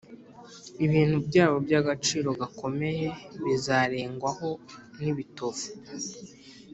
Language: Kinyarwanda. ibintu byabo by’agaciro gakomeye bizarengwaho n’ibitovu,